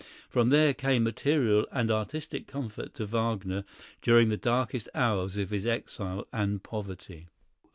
From there came material and artistic comfort to Wagner during the darkest hours of his exile and poverty.